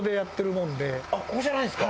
ここじゃないんですか？